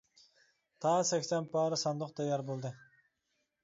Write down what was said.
تا سەكسەن پارە ساندۇق تەييار بولدى.